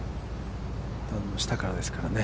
下からですからね。